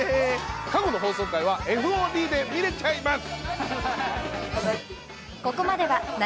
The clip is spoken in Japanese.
過去の放送回はＦＯＤで見れちゃいます。